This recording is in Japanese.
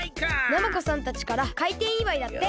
ナマコさんたちからかいてんいわいだって。